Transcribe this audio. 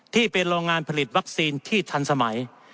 ที่เป็นโรงงานผลิตวัคซีนที่ทันสมัย